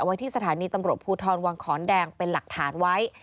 ไว้ที่สถานีตำรวจภูทรวังขอนแดงเป็นหลักฐานไว้